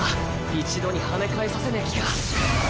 一度にはね返させねぇ気か。